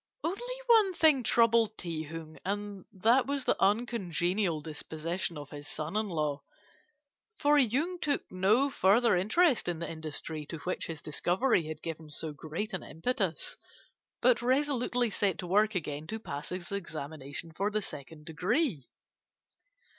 Only one thing troubled Ti Hung, and that was the uncongenial disposition of his son in law, for Yung took no further interest in the industry to which his discovery had given so great an impetus, but resolutely set to work again to pass his examination for the second degree.